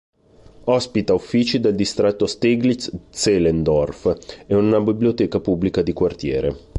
Ospita uffici del distretto di Steglitz-Zehlendorf e una biblioteca pubblica di quartiere.